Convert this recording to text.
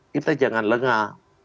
kita jangan lengah